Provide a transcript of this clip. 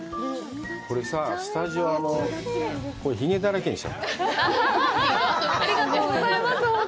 これさ、スタジオ、ひげだらけにしちゃおう。